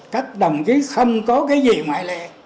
cách đồng chí không có cái gì ngoại lệ